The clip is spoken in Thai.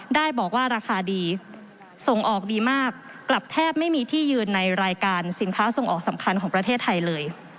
ได้บอกว่าราคาดีส่งออกดีมากกลับแทบไม่มีที่ยืนในรายการสินค้าส่งออกสำคัญของประเทศไทยเลย